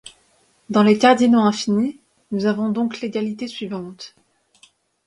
Dans les cardinaux infinis, nous avons donc l'égalité suivante,